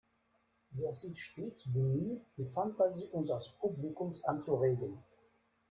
Wir sind stets bemüht, die Fantasie unseres Publikums anzuregen.